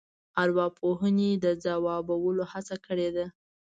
ارواپوهنې د ځوابولو هڅه کړې ده.